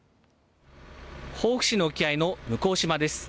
防府市沖合の向島です。